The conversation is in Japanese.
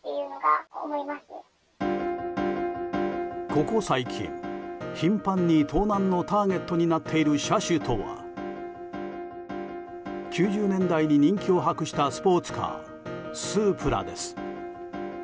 ここ最近、頻繁に盗難のターゲットになっている車種とは９０年代に人気を博したスポーツカースープラです。